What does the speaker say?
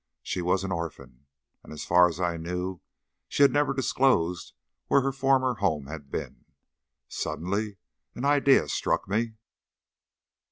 She was an orphan, and as far as I knew she had never disclosed where her former home had been. Suddenly an idea struck me.